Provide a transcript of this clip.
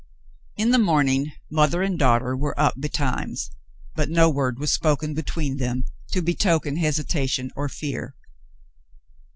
In the morning, mother and daughter were up betimes, but no word was spoken between them to betoken hesita tion or fear.